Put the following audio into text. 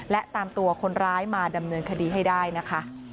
และตามตัวคนร้ายมาดำเนินคดีให้ได้นะคะ